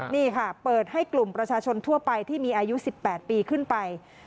นี่ค่ะเปิดให้กลุ่มประชาชนทั่วไปที่มีอายุ๑๘ปีขึ้นไป